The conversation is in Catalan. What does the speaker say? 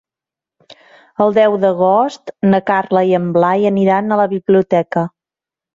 El deu d'agost na Carla i en Blai aniran a la biblioteca.